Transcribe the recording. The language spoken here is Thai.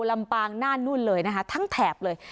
ลำปางหน้านู่นเลยนะคะทั้งแถบเลย